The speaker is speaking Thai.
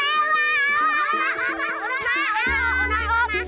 เอามาออฟ